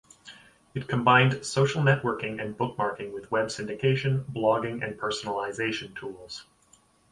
It combined social networking and bookmarking with web syndication, blogging and personalization tools.